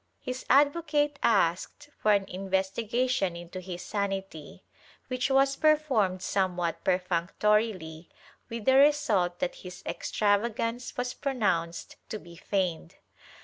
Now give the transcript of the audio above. His advocate asked for an investigation into his sanity, which was performed somewhat perfunctorily with the result that his extravagance was pronounced to be feigned.